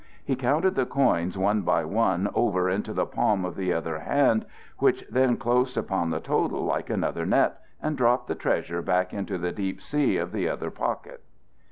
He counted the coins one by one over into the palm of the other hand, which then closed upon the total like another net, and dropped the treasure back into the deep sea of the other pocket.